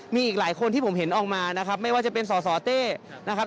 มีอีกหลายคนที่ผมเห็นออกมานะครับไม่ว่าจะเป็นสสเต้นะครับ